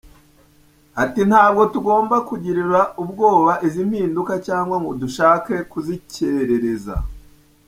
Ati “Ntabwo tugomba kugirira ubwoba izi mpinduka cyangwa ngo dushake kuzikerereza.